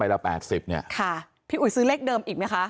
ไปละ๘๐นี่ค่ะพี่อุ๋ยซื้อเลขเดิมอีกมั้ยคะ